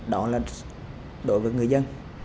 đó là đối với người dân